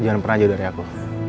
jangan pernah jauh dari aku